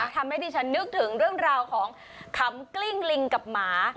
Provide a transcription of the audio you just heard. ทำให้ดิฉันนึกถึงเรื่องราวของขำกลิ้งลิงกับหมา